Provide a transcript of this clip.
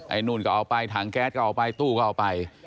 นู่นก็เอาไปถังแก๊สก็เอาไปตู้ก็เอาไป